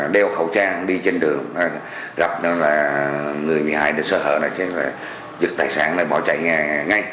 đeo khẩu trang đi trên đường gặp người bị hại sơ hở giật tài sản bỏ chạy ngay